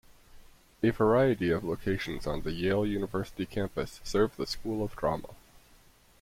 A variety of locations on the Yale University campus serve the School of Drama.